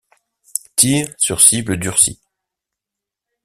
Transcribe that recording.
Tir sur cibles durcis.